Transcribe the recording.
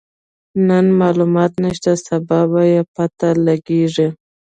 نن مالومات نشته، سبا به يې پته لګيږي.